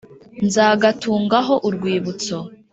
nzagatungaho urwibutso